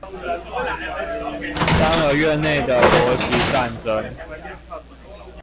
三合院內的婆媳戰爭